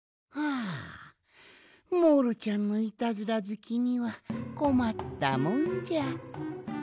あモールちゃんのイタズラずきにはこまったもんじゃ。